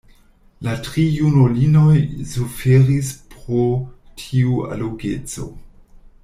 La tri junulinoj suferis pro tiu allogeco.